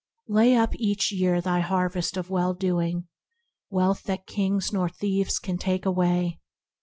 "Lay up each year Thy harvest of well doing, wealth that kings Nor thieves can take away.